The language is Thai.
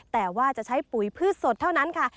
แต่ว่าจะใช้ปุ๋ยพืชสดเท่านั้นค่ะ